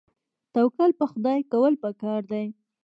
توکل په خدای کول پکار دي